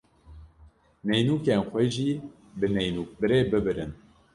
Neynûkên xwe jî bi neynûkbirê bibirin.